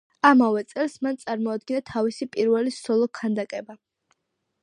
ამავე წელს მან წარმოადგინა თავისი პირველი სოლო ქანდაკება.